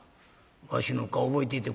わしの顔覚えていてくれたか。